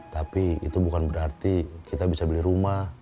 tapi itu bukan berarti kita bisa beli rumah